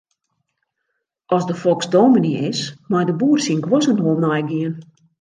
As de foks dominy is, mei de boer syn guozzen wol neigean.